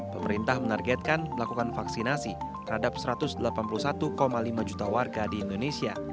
pemerintah menargetkan melakukan vaksinasi terhadap satu ratus delapan puluh satu lima juta warga di indonesia